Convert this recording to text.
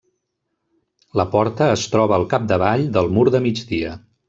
La porta es troba al capdavall del mur de migdia.